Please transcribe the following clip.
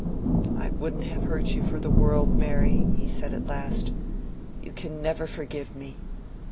"I wouldn't have hurt you for the world, Mary," he said at last. "You can never forgive me."